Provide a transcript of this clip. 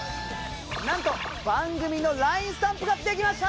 なんと番組のＬＩＮＥスタンプができました！